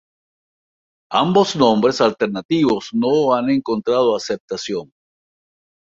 Ambos nombres alternativos no han encontrado aceptación.